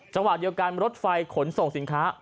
จังหวะเดียวกันรถไฟขนส่งสินค้า